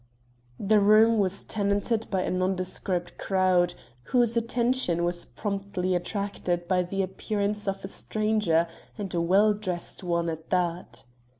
The room was tenanted by a nondescript crowd, whose attention was promptly attracted by the appearance of a stranger, and a well dressed one at that.